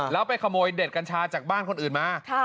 แล้วไปขโมยเด็ดกัญชาจากบ้านคนอื่นมา